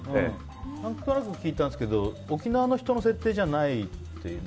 何となく聞いたんですけど沖縄の人の設定じゃないって。